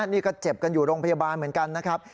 นี่ก็เจ็บกันอยู่โรงพยาบาลเหมือนกันนะครับ